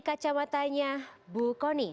kacamatanya bu khorin